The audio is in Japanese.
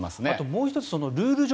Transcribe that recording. もう１つルール上